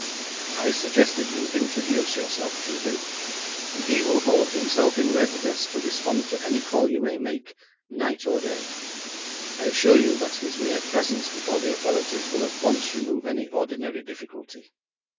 I suggest that you introduce yourself to him, and he will hold himself in readiness to respond to any call you may make, night or day. I assure you that his mere presence before the authorities will at once remove any ordinary difficulty.